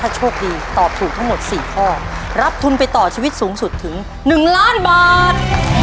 โชคดีตอบถูกทั้งหมด๔ข้อรับทุนไปต่อชีวิตสูงสุดถึง๑ล้านบาท